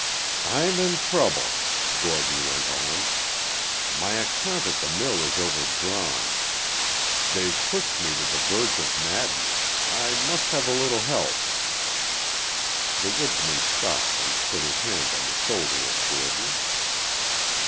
"I'm in trouble," Gordon went on. "My account at the mill is overdrawn. They've pushed me to the verge of madness. I must have a little help." The woodsman stopped and put his hand on the shoulder of Gordon.